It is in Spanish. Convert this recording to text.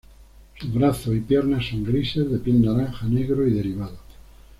Sus brazos y piernas son grises, de piel naranja negro y derivados.